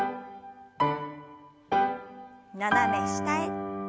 斜め下へ。